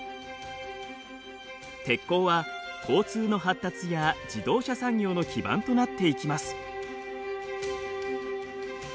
鉄鋼は交通の発達や自動車産業の基盤となっていきます。